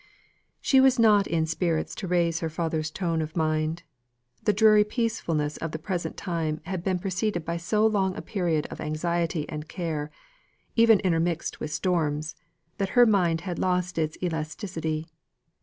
She was not in spirits to raise her father's tone of mind. The dreary peacefulness of the present time had been preceded by so long a period of anxiety and care even intermixed with storms that her mind had lost its elasticity.